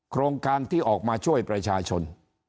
โครงการที่ออกมาช่วยประชาชน